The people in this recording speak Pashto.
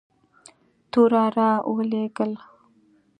توره را ولېږل.